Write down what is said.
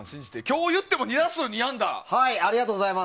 今日は言っても２打数２安打。